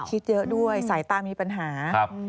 คิดเยอะด้วยสายตามีปัญหา